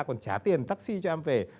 còn trả tiền taxi cho em về